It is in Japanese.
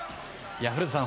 古田さん